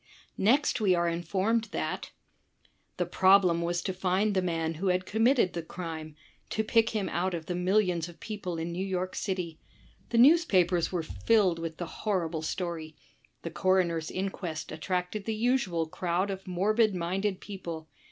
Next we are informed that The problem was to find the man who had committed the crime — to pick him out of the millions of people in New York City. The newspapers were filled with the horrible story. The coroner's inquest attracted the usual crowd of morbid minded people.